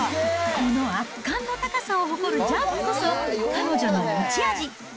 この圧巻の高さを誇るジャンプこそ、彼女の持ち味。